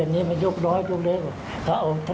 แล้วอยากจะบอกผู้ปกครองคนอื่น